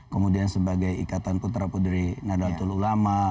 kemudian sebagai ikatan putra putri nadatul ulama